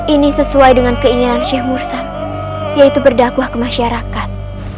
ini sesuai dengan keinginan sheikh mursam yaitu berdakwah ke masyarakat